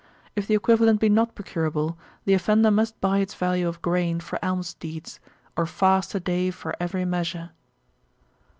If the equivalent be not procurable, the offender must buy its value of grain for alms deeds, or fast a day for every measure.